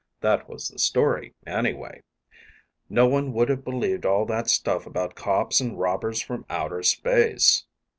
That was the story, anyway. No one would have believed all that stuff about cops and robbers from outer space.